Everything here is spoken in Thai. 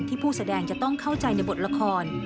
ผู้แสดงจะต้องเข้าใจในบทละคร